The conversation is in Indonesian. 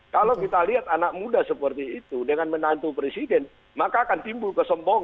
kalau kita lihat anak muda seperti itu dengan menantu presiden maka akan timbul kesombongan